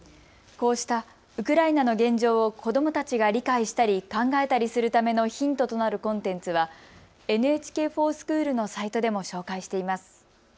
こうしたウクライナの現状を子どもたちが理解したり考えたりするためのヒントとなるコンテンツはＮＨＫｆｏｒＳｃｈｏｏｌのサイトでも紹介しています。